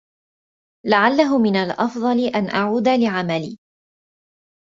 لعله من الأفضل أن أعود لعملي.